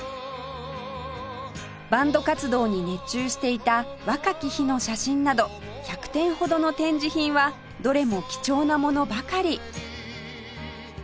バンド活動に熱中していた若き日の写真など１００点ほどの展示品はどれも貴重なものばかり